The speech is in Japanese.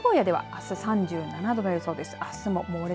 まず名古屋ではあす、３７度の予想です。